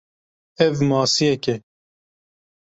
Ev masiyek e.